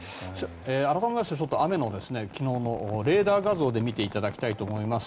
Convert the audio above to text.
改めまして雨の昨日のレーダー画像で見ていただきたいと思います。